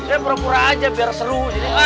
saya pura pura aja biar seru